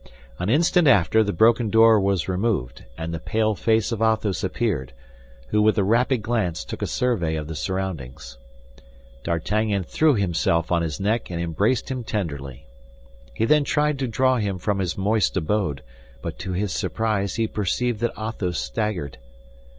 An instant after, the broken door was removed, and the pale face of Athos appeared, who with a rapid glance took a survey of the surroundings. D'Artagnan threw himself on his neck and embraced him tenderly. He then tried to draw him from his moist abode, but to his surprise he perceived that Athos staggered.